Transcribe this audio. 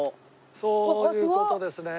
そういう事ですね。